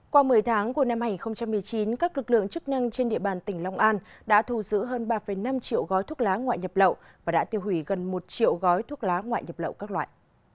qua một mươi tháng của năm hai nghìn một mươi chín các lực lượng chức năng trên địa bàn tỉnh long an đã thu giữ hơn ba năm triệu gói thuốc lá ngoại nhập lậu và đã tiêu hủy gần một triệu gói thuốc lá ngoại nhập lậu các loại